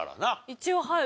一応はい。